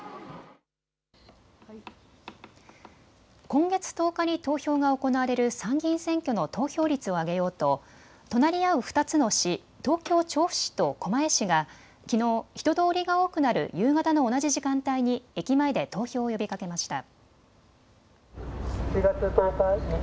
今月１０日に投票が行われる参議院選挙の投票率を上げようと隣り合う２つの市、東京調布市と狛江市がきのう人通りが多くなる夕方の同じ時間帯に駅前で投票を呼びかけました。